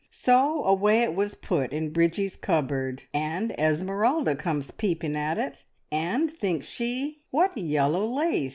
So away it was put in Bridgie's cupboard, and Esmeralda comes peeping at it, and, thinks she, `What yellow lace!